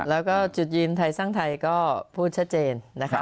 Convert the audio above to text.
แล้วก็จุดยืนไทยสร้างไทยก็พูดชัดเจนนะคะ